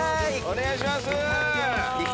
お願いします！